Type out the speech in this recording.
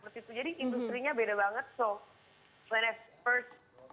seperti itu jadi industri nya beda banget